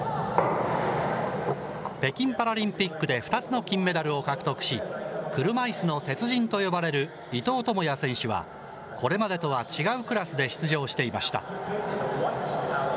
北京パラリンピックで２つの金メダルを獲得し、車いすの鉄人と呼ばれる伊藤智也選手は、これまでとは違うクラスで出場していました。